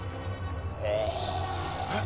えっ？